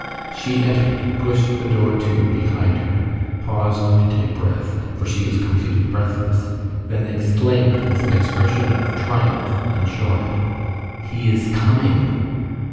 She entered, pushed the door to behind her, paused to take breath, for she was completely breathless, then exclaimed with an expression of triumph and joy:— "He is coming!"